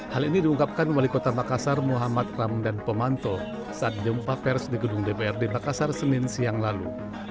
hal ini diungkapkan oleh kota makassar muhammad ram dan pemanto saat jumpa pers di gedung dpr di makassar senin siang lalu